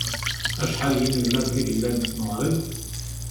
Acḥal n yinelmaden i yellan deg tneɣrit?